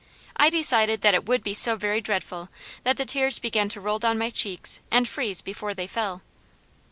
I decided that it would be so very dreadful, that the tears began to roll down my cheeks and freeze before they fell.